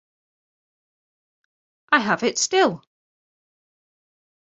I have it still.